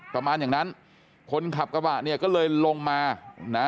ประมาณอย่างนั้นคนขับกระบะเนี่ยก็เลยลงมานะ